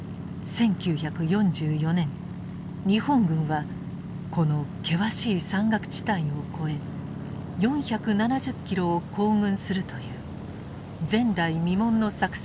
１９４４年日本軍はこの険しい山岳地帯を越え４７０キロを行軍するという前代未聞の作戦を決行した。